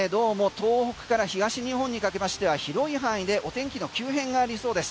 東北から東日本にかけまして広い範囲でお天気の急変がありそうです。